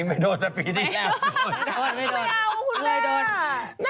ไม่เอาคุณแม่